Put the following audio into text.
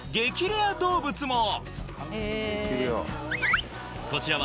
レア動物も！